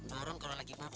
dorong kalau lagi mau